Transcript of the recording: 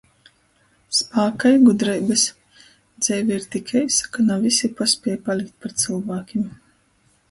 Spāka i gudreibys!!! Dzeive ir tik eisa, ka na vysi paspiej palikt par cylvākim...